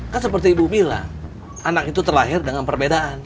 kan seperti ibu bilang anak itu terlahir dengan perbedaan